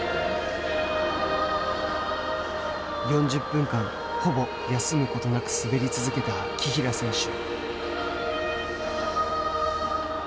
４０分間、ほぼ休むことなく滑り続けた紀平選手。